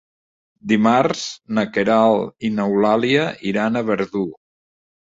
Dimarts na Queralt i n'Eulàlia iran a Verdú.